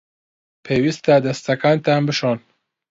پێویستە دەستەکانتان بشۆن.